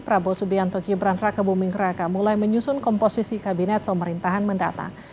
prabowo subianto gibran rakebuming rake mulai menyusun komposisi kabinet pemerintahan mendatang